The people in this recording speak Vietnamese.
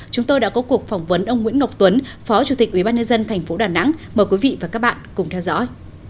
chúng tôi đã có cuộc phỏng vấn ông nguyễn ngọc tuấn phó chủ tịch ubnd tp đà nẵng mời quý vị và các bạn cùng theo dõi